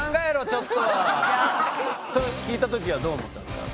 それ聞いた時はどう思ったんですか？